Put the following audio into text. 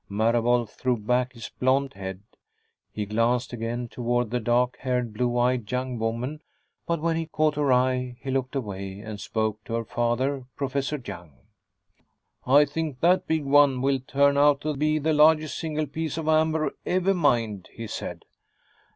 Marable threw back his blond head. He glanced again toward the dark haired, blue eyed young woman, but when he caught her eye, he looked away and spoke to her father, Professor Young. "I think that big one will turn out to be the largest single piece of amber ever mined," he said.